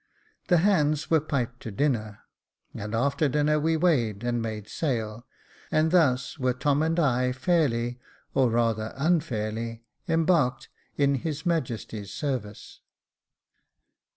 The hands were piped to dinner, and after dinner we weighed and made sail, and thus were Tom and I fairly, or rather unfairly, embarked in his Majesty's service.